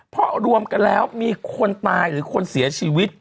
เพราะรวมกันแล้วมีคนตายหรือคนเสียชีวิต